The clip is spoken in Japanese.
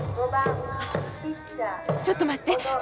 ちょっと待って。